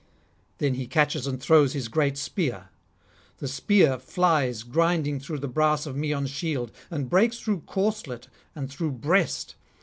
Then he catches and throws his great spear; the spear flies grinding through the brass of Maeon's shield, and breaks through corslet and through breast.